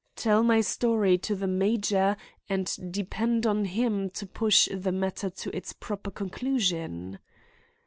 Tell my story to the major and depend on him to push the matter to its proper conclusion?